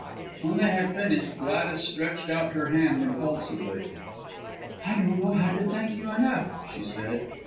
When they had finished, Gladys stretched out her hand impulsively. "I don't know how to thank you enough," she said.